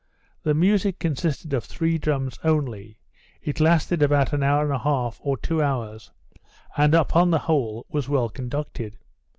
The music consisted of three drums only; it lasted about an hour and a half, or two hours; and, upon the whole, was well conducted.